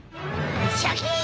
シャキン！